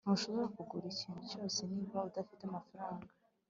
ntushobora kugura ikintu cyose niba udafite amafaranga